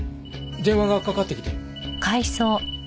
電話がかかってきて。